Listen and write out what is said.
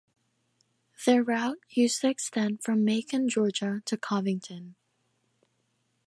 Their route used to extend from Macon, Georgia to Covington.